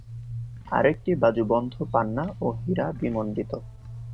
আরেকটি বাজুবন্ধ পান্না ও হীরা বিমন্ডিত।